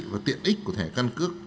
và tiện ích của thẻ căn cước